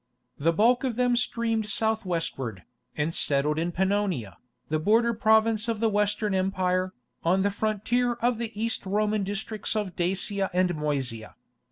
The bulk of them streamed south westward, and settled in Pannonia, the border province of the Western Empire, on the frontier of the East Roman districts of Dacia and Moesia.